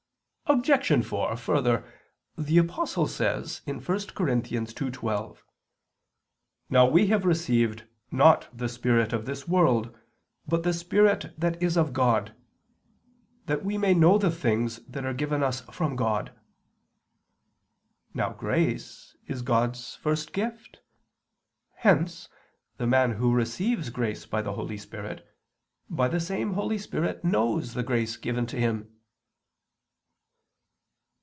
Obj. 4: Further, the Apostle says (1 Cor. 2:12): "Now we have received not the Spirit of this world, but the Spirit that is of God; that we may know the things that are given us from God." Now grace is God's first gift. Hence, the man who receives grace by the Holy Spirit, by the same Holy Spirit knows the grace given to him.